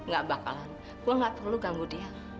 gak bakalan gue gak perlu ganggu dia